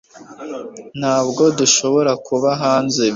ntabwo dushobora kuba hanze